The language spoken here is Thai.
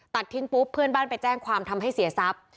ตัดทิ้งปุ๊บเพื่อนบ้านไปแจ้งความทำให้เสียทรัพย์